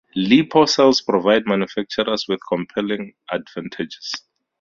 LiPo cells provide manufacturers with compelling advantages.